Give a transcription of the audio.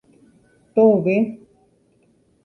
¡Tove!